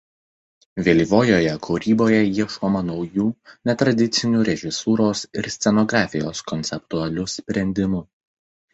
Vėlyvojoje kūryboje ieškoma naujų netradicinių režisūros ir scenografijos konceptualių sprendimų.